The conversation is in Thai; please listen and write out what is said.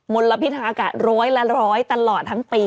ลพิธาอากาศร้อยละร้อยตลอดทั้งปี